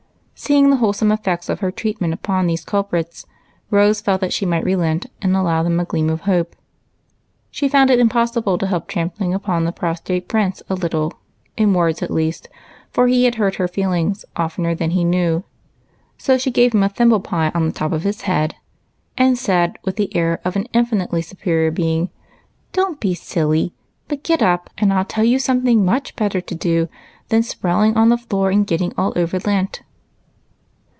Seeing the wholesome effects of her treatment upon these culprits, Rose felt that she might relent and allow them a gleam of hope. She found it impossible to help trampling upon the prostrate Prince a little, in words at least, for he had hurt her feelings oftener than he knew ; so she gave him a thimble pie on the top of his head, and said, with the air of an infinitely superior being, —" Don't be silly, but get up, and I '11 tell you some thing much better to do than sprawling on the floor and getting all over lint."